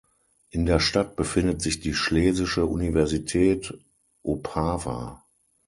In der Stadt befindet sich die Schlesische Universität Opava.